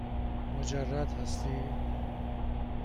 مجرد هستی؟